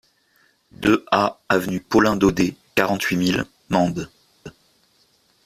deux A avenue Paulin Daudé, quarante-huit mille Mende